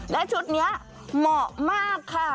และชุดนี้เหมาะมากค่ะ